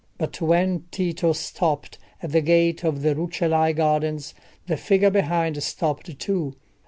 But when Tito stopped at the gate of the Rucellai gardens, the figure behind stopped too.